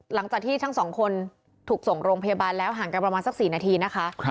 หลังจากที่ทั้งสองคนถูกส่งโรงพยาบาลแล้วห่างกันประมาณสัก๔นาทีนะคะ